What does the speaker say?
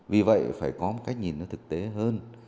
vì vậy phải có một cách nhìn nó thực tế hơn